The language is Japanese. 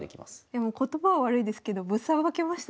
でも言葉は悪いですけどぶっさばけましたね。